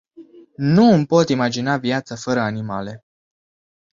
Nu îmi pot imagina viața fără animale.